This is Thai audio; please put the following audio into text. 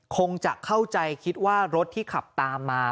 คงจะเข้าใจคิดว่ารถที่ขับตามมา